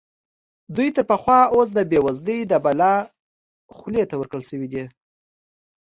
دوی تر پخوا اوس د بېوزلۍ د بلا خولې ته ورکړل شوي دي.